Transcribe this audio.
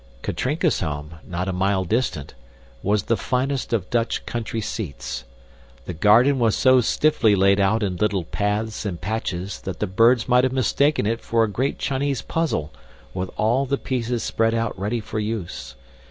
Katrinka's home, not a mile distant, was the finest of Dutch country seats. The garden was so stiffly laid out in little paths and patches that the birds might have mistaken it for a great Chinese puzzle with all the pieces spread out ready for use.